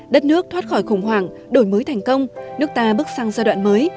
đất nước thoát khỏi khủng hoảng đổi mới thành công nước ta bước sang giai đoạn mới